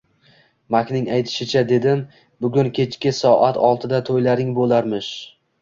Makning aytishicha, dedim, bugun kechki soat oltida to`ylaring bo`larmish